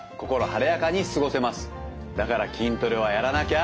だから筋トレはやらなきゃ。